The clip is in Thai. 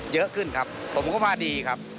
เยอะขึ้นครับประมาณกภาพดีครับ